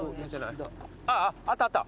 あっあったあった